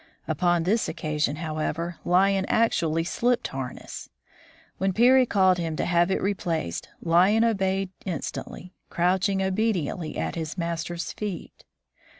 Upon this occasion, however, Lion actu ally slipped harness. When Peary called him to have it replaced, Lion obeyed instantly, crouching obediently at his master's feet.